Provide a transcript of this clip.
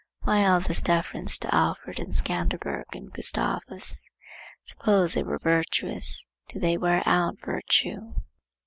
Why all this deference to Alfred and Scanderbeg and Gustavus? Suppose they were virtuous; did they wear out virtue?